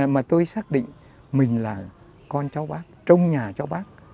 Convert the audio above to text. mà tôi xác định mình là con cháu bác trong nhà cho bác